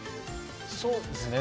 そうですね